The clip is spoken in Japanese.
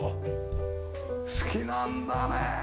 好きなんだねえ。